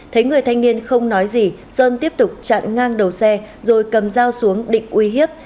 thấy người thanh niên không nói gì sơn tiếp tục chặn ngang đầu xe rồi cầm dao xuống định uy hiếp